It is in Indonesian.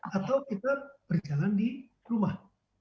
atau kita berjalan di rumah